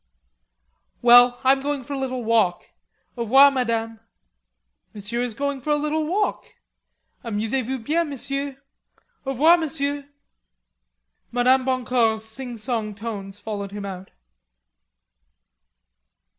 "Well, I'm going for a little walk. Au revoir, Madame." "Monsieur is going for a little walk. Amusez vous bien, Monsieur. Au revoir, Monsieur," Madame Boncour's singsong tones followed him out.